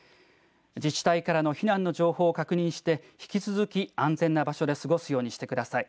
自治体からの避難の情報を確認して引き続き安全な場所で過ごすようにしてください。